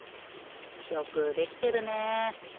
よくできてるね。